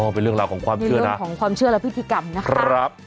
อ๋อเป็นเรื่องหลักของความเชื่อนะเป็นเรื่องของความเชื่อและพิธีกรรมนะคะครับ